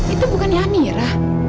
itu bukan amira